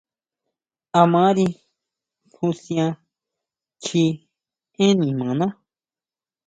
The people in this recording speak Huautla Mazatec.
A mari jusian chji énn nimaná.